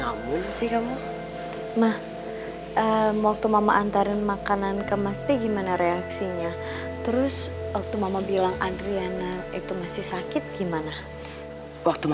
allah beri kemahiran di atas hatiku